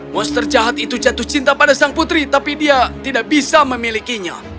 monster jahat itu jatuh cinta pada sang putri tapi dia tidak bisa memilikinya